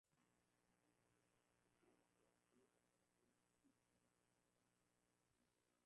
wake akisema viota vimekwisha na Uingereza imeshinda